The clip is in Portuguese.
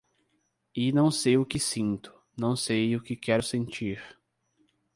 E não sei o que sinto, não sei o que quero sentir